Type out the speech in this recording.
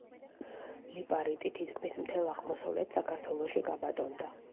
ლიპარიტი თითქმის მთელ აღმოსავლეთ საქართველოში გაბატონდა.